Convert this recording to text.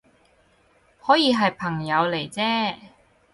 可以係朋友嚟啫